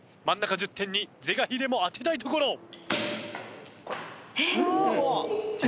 真ん中１０点に是が非でも当てたいところ。